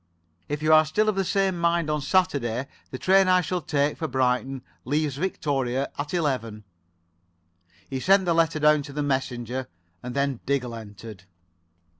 If you are still of the same mind on Saturday, the train I shall take for Brighton leaves Victoria at eleven." He sent the letter down to the messenger, and then Diggle entered.